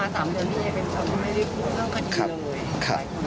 ผ่านมา๓เดือนพี่เอ๊เป็นคนที่ไม่ได้พูดเรื่องความจริงเลย